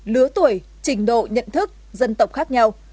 lứa tuổi trình độ nhận thức dân tộc khác nhau